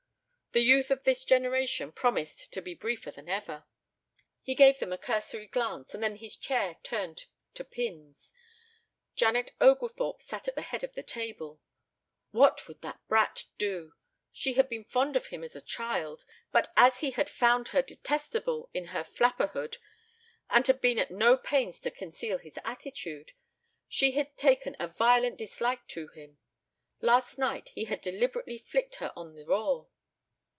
The youth of this generation promised to be briefer than ever! He gave them a cursory glance, and then his chair turned to pins. Janet Oglethorpe sat at the head of the table. What would the brat do? She had been fond of him as a child, but as he had found her detestable in her flapperhood, and been at no pains to conceal his attitude, she had taken a violent dislike to him. Last night he had deliberately flicked her on the raw.